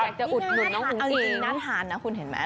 นี่น่ะถ้านับถานนะคุณเห็นไหม